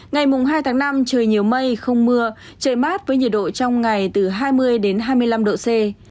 ngày hai tháng năm trời nhiều mây không mưa trời mát với nhiệt độ trong ngày từ hai mươi đến hai mươi năm độ c